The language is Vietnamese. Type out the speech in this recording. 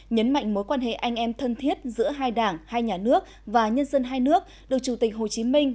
nhấn mạnh mối quan hệ anh em thân thiết giữa hai đảng hai nhà nước và nhân dân hai nước được chủ tịch hồ chí minh